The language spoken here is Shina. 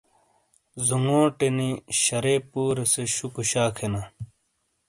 ذونگوٹے نی شَرے پُورے سے شُکو شا کھینا۔